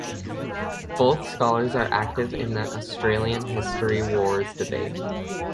Both scholars are active in the Australian History wars debate.